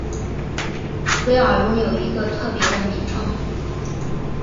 威瓦拥有一个特别的名称。